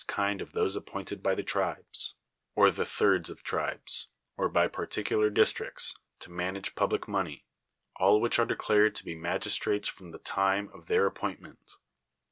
iiid of Hiosc ai)i)()in1('d b\' the tribes, or the thirds of tribes, or by ]>ai'ti('ular districts, to manage public nioncy, all wliicli are declared to be magisli ales f'l'oni llie lime of their a]) pointment.